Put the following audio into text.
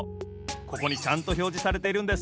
ここにちゃんとひょうじされているんです。